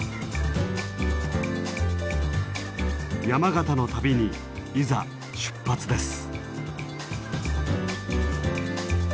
山形の旅にいざ出発です！